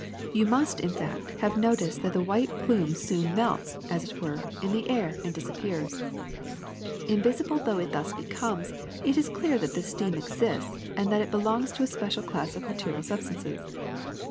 You must, in fact, have noticed that the white plume soon melts, as it were, in the air and disappears. *^ Invisible though it thus becomes, it is clear that this steam exists and that it belongs to a special class of material substances.